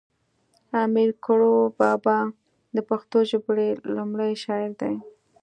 امیر کړوړ بابا د پښتو ژبی لومړی شاعر دی